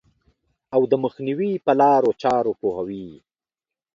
او د مخنیوي په لارو چارو پوهوي.